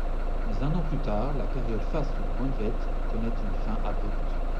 Mais un an plus tard, la période faste de Honvéd connaît une fin abrupte.